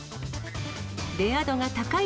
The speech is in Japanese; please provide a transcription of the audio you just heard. レア度が高い